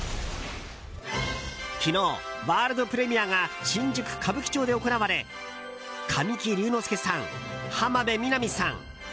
昨日、ワールドプレミアが新宿・歌舞伎町で行われ神木隆之介さん、浜辺美波さん